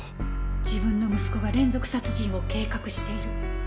自分の息子が連続殺人を計画している。